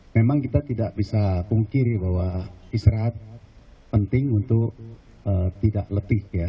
memang kita tidak bisa pungkiri bahwa istirahat penting untuk tidak lebih ya